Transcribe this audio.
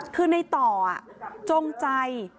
คือในต่อจงใจ